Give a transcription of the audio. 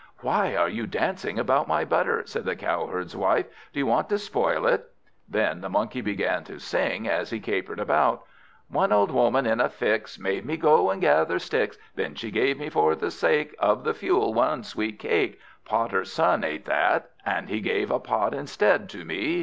"Why are you dancing about my butter?" said the Cowherd's wife. "Do you want to spoil it?" Then the Monkey began to sing, as he capered about "One old Woman, in a fix, Made me go and gather sticks; Then she gave me, for the sake Of the fuel, one sweet cake. Potter's son ate that, and he Gave a pot instead to me.